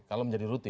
kalau menjadi rutin